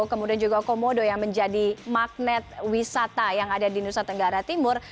kemudian juga komodo yang menjadi magnet wisata yang ada di nusa tenggara timur